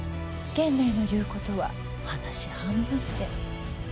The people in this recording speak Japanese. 源内の言うことは話半分で。